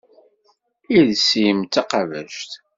Iles-im d taqabact.